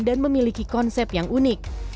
dan memiliki konsep yang unik